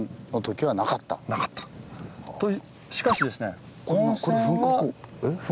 しかしですね。